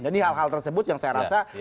jadi hal hal tersebut yang saya rasa